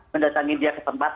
mendatangi dia ke tempat